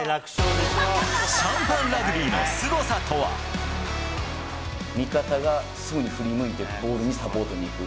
シャンパンラグビーのすごさ味方がすぐに振り向いて、ボールにサポートにいく。